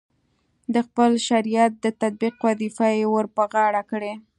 د خپل شریعت د تطبیق وظیفه یې ورپه غاړه کړې.